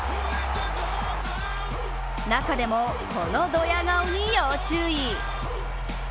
中でもこのドヤ顔に要注意。